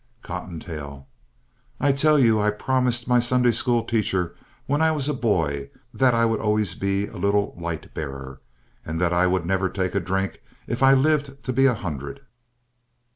COTTONTAIL I tell you I promised my Sunday school teacher when I was a boy that I would always be a Little Light Bearer, and that I would never take a drink if I lived to be a hundred.